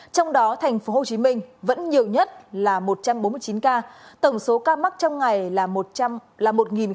trong đó thành phố hồ chí minh vẫn nhiều nhất là một trăm bốn mươi chín ca tổng số ca mắc trong ngày là một bảy